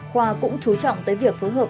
khoa cũng chú trọng tới việc phối hợp